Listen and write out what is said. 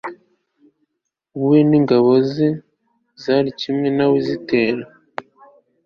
we n ingabo ze ziri kumwe na we zitera